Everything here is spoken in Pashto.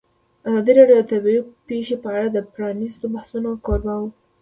ازادي راډیو د طبیعي پېښې په اړه د پرانیستو بحثونو کوربه وه.